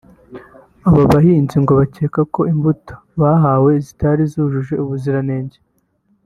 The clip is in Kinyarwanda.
Aba bahinzi ngo bakeka ko imbuto bahawe zitari zujuje ubuziranenge